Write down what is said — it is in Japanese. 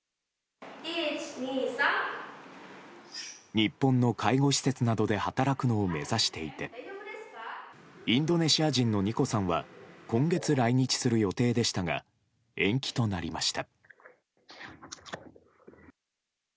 日本の介護施設などで働くのを目指していてインドネシア人のニコさんは今月来日する予定でしたが延期となりました。